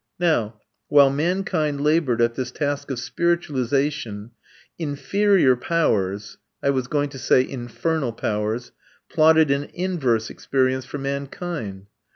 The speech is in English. Now, while mankind laboured at this task of spiritualization, inferior powers I was going to say infernal powers plotted an inverse experience for mankind.